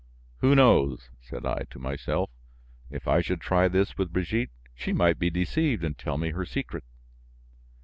"Who knows?" said I to myself, "if I should try this with Brigitte, she might be deceived and tell me her secret."